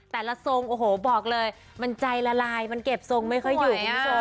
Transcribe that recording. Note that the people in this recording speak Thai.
แต่ละทรงโอ้โหบอกเลยมันใจละลายมันเก็บทรงไม่เคยอยู่